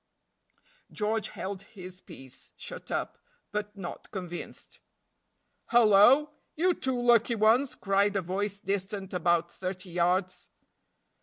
George held his peace shut up, but not convinced. "Hallo! you two lucky ones," cried a voice distant about thirty yards.